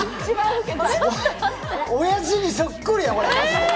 おやじにそっくりや。